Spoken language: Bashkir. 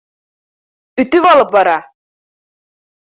Өтөп алып бара!